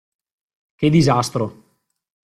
Che disastro.